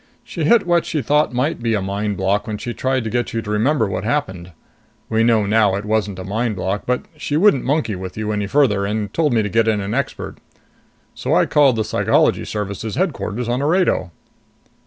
She hit what she thought might be a mind block when she tried to get you to remember what happened. We know now it wasn't a mind block. But she wouldn't monkey with you any farther, and told me to get in an expert. So I called the Psychology Service's headquarters on Orado."